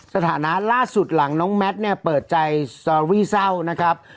สถานะล่าสุดหลังน้องแมทเนี่ยเปิดใจสตอรี่เศร้านะครับ